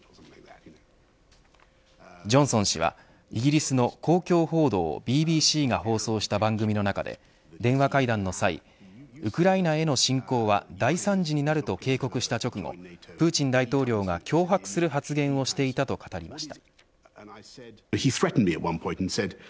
ジョンソン氏はイギリスの公共報道ＢＢＣが放送した番組の中で電話会談の際ウクライナへの侵攻は大惨事になると警告した直後プーチン大統領が脅迫する発言をしていたと語りました。